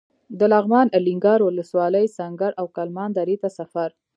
د لغمان الینګار ولسوالۍ سنګر او کلمان درې ته سفر.